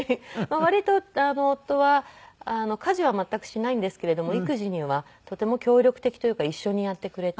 割と夫は家事は全くしないんですけれども育児にはとても協力的というか一緒にやってくれて。